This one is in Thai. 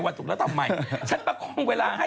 วันศุกร์ละ